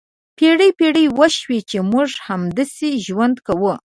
پېړۍ پېړۍ وشوې چې موږ همداسې ژوند کوو.